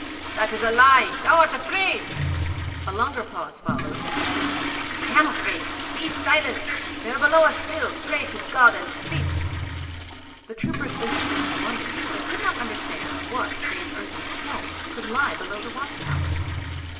'That is a lie; thou art afraid.' A longer pause followed, and then: 'I am afraid. Be silent! They are below us still. Pray to God and sleep.' The troopers listened and wondered, for they could not understand what save earth and stone could lie below the watch towers.